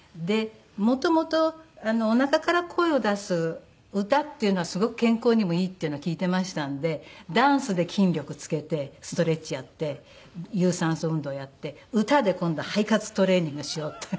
もともとおなかから声を出す歌っていうのはすごく健康にもいいっていうのは聞いてましたんでダンスで筋力付けてストレッチやって有酸素運動やって歌で今度肺活トレーニングしようって。